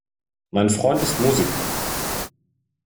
Mein Freund ist Musiker.